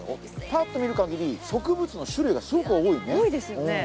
パッと見るかぎり植物の種類がすごく多いね。